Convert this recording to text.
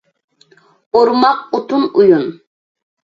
ئورماق، ئوتۇن، ئويۇن.